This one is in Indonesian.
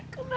ya ini dia